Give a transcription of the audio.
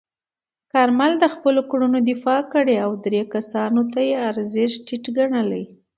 کارمل د خپلو کړنو دفاع کړې او درې کسانو ته یې ارزښت ټیټ ګڼلی.